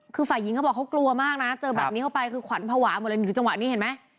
คือฝ่ายหญิงเขาบอกเขากลัวมากนะเจอแบบนี้เข้าไปคือขวัญภาวะหมดเลยอยู่จังหวะนี้เห็นไหม